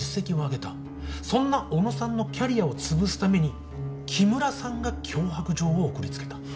そんな小野さんのキャリアをつぶすために木村さんが脅迫状を送りつけた。